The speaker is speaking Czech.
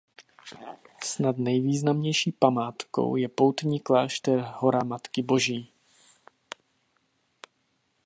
Snad nejvýznamnější památkou je poutní klášter Hora Matky Boží.